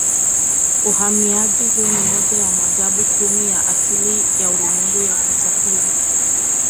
Uhamiaji huo ni moja ya maajabu kumi ya asili ya ulimwengu ya kusafiri.